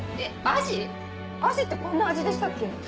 アジってこんな味でしたっけ？